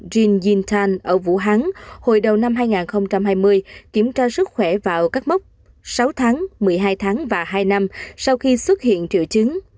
jean yuntang ở vũ hán hồi đầu năm hai nghìn hai mươi kiểm tra sức khỏe vào các mốc sáu tháng một mươi hai tháng và hai năm sau khi xuất hiện triệu chứng